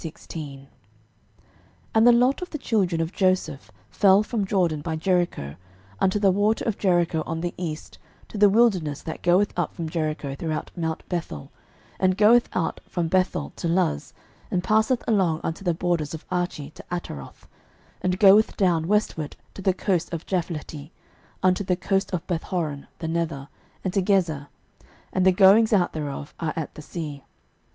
06:016:001 And the lot of the children of Joseph fell from Jordan by Jericho, unto the water of Jericho on the east, to the wilderness that goeth up from Jericho throughout mount Bethel, 06:016:002 And goeth out from Bethel to Luz, and passeth along unto the borders of Archi to Ataroth, 06:016:003 And goeth down westward to the coast of Japhleti, unto the coast of Bethhoron the nether, and to Gezer; and the goings out thereof are at the sea.